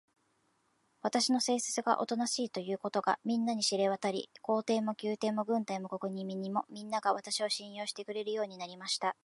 私の性質がおとなしいということが、みんなに知れわたり、皇帝も宮廷も軍隊も国民も、みんなが、私を信用してくれるようになりました。